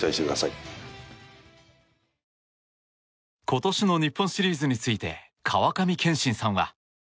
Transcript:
今年の日本シリーズについて川上憲伸さんは。